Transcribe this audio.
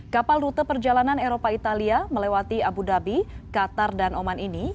kapal rute perjalanan eropa italia melewati abu dhabi qatar dan oman ini